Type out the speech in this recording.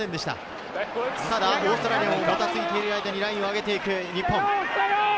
ただオーストラリアもバタついてる間にラインを上げていく日本。